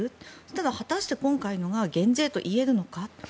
ただ、果たして今回のが減税といえるのか。